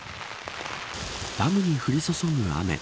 ダムに降り注ぐ雨。